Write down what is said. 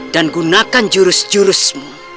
dan gunakan jurus jurusmu